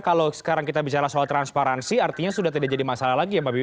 kalau sekarang kita bicara soal transparansi artinya sudah tidak jadi masalah lain ya